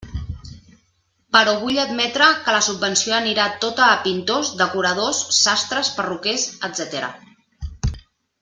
Però vull admetre que la subvenció anirà tota a pintors, decoradors, sastres, perruquers, etcètera.